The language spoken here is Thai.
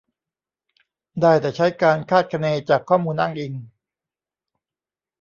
ได้แต่ใช้การคาดคะเนจากข้อมูลอ้างอิง